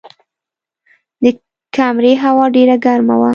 د کمرې هوا ډېره ګرمه وه.